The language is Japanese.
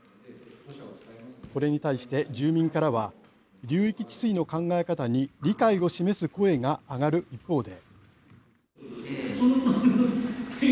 これに対して住民からは流域治水の考え方に理解を示す声が上がる一方で。